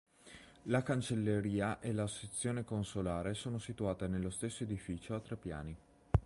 La Cancelleria e la sezione Consolare sono situate nello stesso edificio a tre piani.